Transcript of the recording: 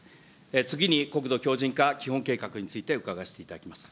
次に、国土強じん化基本計画について伺わせていただきます。